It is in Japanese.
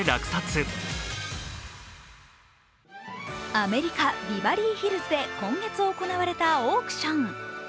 アメリカ・ビバリーヒルズで今月行われたオークション。